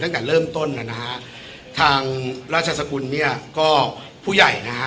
ตั้งแต่เริ่มต้นนะฮะทางราชสกุลเนี่ยก็ผู้ใหญ่นะฮะ